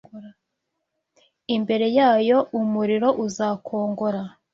Imbere yayo umuriro uzakongora